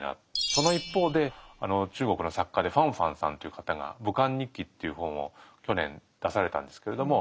その一方で中国の作家で方方さんという方が「武漢日記」っていう本を去年出されたんですけれども。